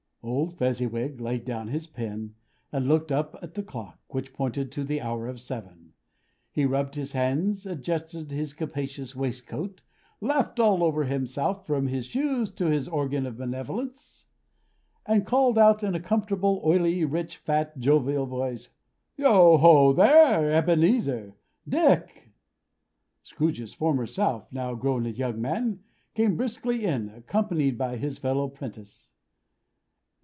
Old Fezziwig laid down his pen, and looked up at the clock, which pointed to the hour of seven. He rubbed his hands; adjusted his capacious waistcoat; laughed all over himself, from his shoes to his organ of benevolence; and called out in a comfortable, oily, rich, fat, jovial voice: "Yo ho, there! Ebenezer! Dick!" Scrooge's former self, now grown a young man, came briskly in, accompanied by his fellow 'prentice.